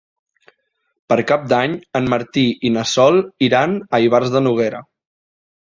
Per Cap d'Any en Martí i na Sol iran a Ivars de Noguera.